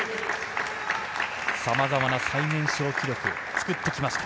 さまざまな最年少記録を作ってきました。